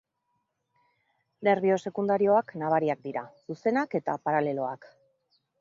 Nerbio sekundarioak nabariak dira, zuzenak eta paraleloak.